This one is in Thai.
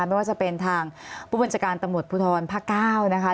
ไม่ว่าจะเป็นทางผู้มิชาการตรงรวดบุธรพระเก้านะคะ